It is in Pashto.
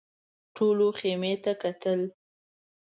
ټولو خيمې ته کتل.